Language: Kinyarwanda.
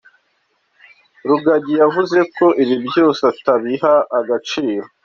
Rugagi yavuze ko ibi byose atabiha agaciro.